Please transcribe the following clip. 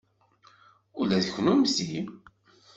Ula d kunemti.